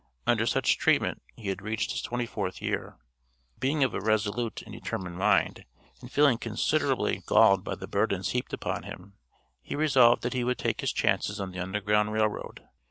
Under such treatment he had reached his twenty fourth year. Being of a resolute and determined mind, and feeling considerably galled by the burdens heaped upon him, he resolved that he would take his chances on the Underground Rail Road.